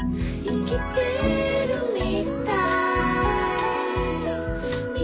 「いきてるみたい」